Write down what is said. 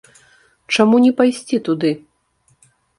Чаму не пайсці туды?